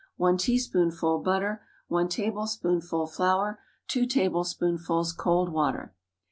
1 teaspoonful butter. 1 tablespoonful flour. 2 tablespoonfuls cold water.